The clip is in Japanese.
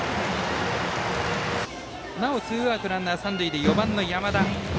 なおツーアウトランナー、三塁で４番の山田。